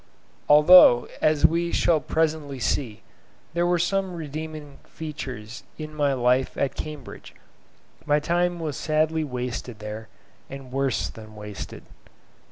Although, as we shall presently see, there were some redeeming features in my life at Cambridge, my time was sadly wasted there, and worse than wasted.